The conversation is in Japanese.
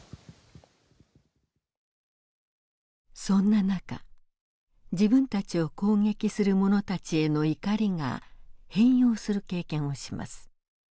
そんな中自分たちを攻撃する者たちへの「怒り」が変容する経験をします。